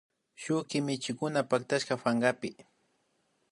Shuk kimichikuna pactashka pankapi